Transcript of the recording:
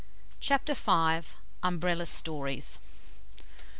CHAPTER V. UMBRELLA STORIES.